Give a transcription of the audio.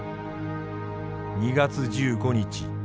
「２月１５日。